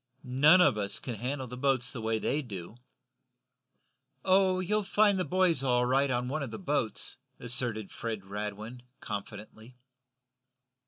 None of us can handle the boats the way they do." "Oh, you'll find the boys all right on one of the boats," asserted Fred Radwin, confidently.